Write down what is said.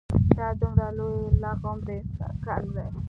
دا دومره لوی لغم د انسان کار نه دی.